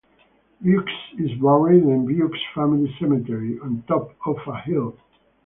Vieux is buried in the Vieux Family Cemetery on top of a hill.